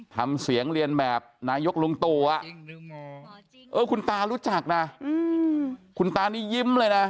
ทำเสียงเรียนแบบนายกลุงตู่คุณตารู้จักนะคุณตานี่ยิ้มเลยนะ